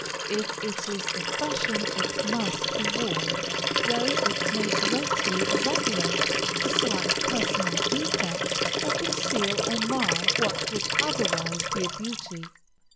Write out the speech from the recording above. If it is the fashion it must be worn, though it may greatly exaggerate a slight personal defect, or conceal or mar what would otherwise be a beauty.